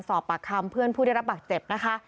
สอบปากคำเพื่อนผู้ได้รับบาดเจ็บนะคะ